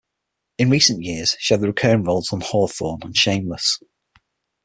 In recent years, she had the recurring roles on "Hawthorne" and "Shameless".